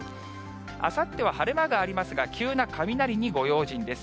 あさっては晴れ間がありますが、急な雷にご用心です。